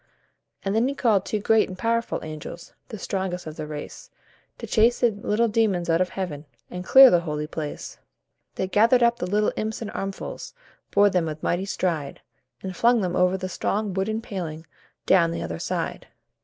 And then he called two great and powerful angels, The strongest of the race, To chase the little demons out of Heaven, And clear the holy place. They gathered up the little imps in armfuls, Bore them with mighty stride, And flung them over the strong wooden paling Down on the other side.